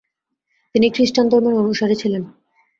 তিনি খৃষ্টান ধর্মের অনুসারী ছিলেন।